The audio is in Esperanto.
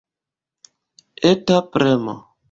Eta premo.